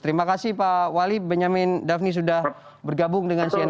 terima kasih pak wali benyamin dhafni sudah bergabung dengan cnn indonesia